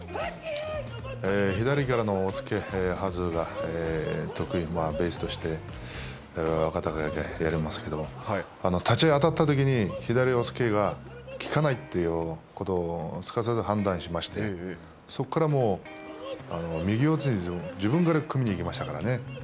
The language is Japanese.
左からのおっつけはずが得意、ベースとして若隆景はやりますけれども立ち会い当たったときに左押っつけがきかないということをすかさず判断しましてそこからもう、右四つに自分から組みに行きましたからね。